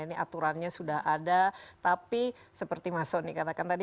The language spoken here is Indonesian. ini aturannya sudah ada tapi seperti mas soni katakan tadi